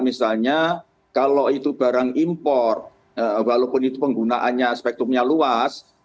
misalnya kalau itu barang impor walaupun itu penggunaannya spektrumnya luas